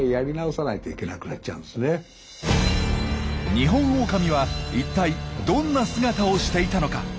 ニホンオオカミは一体どんな姿をしていたのか？